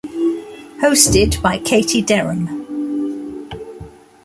Hosted by Katie Derham.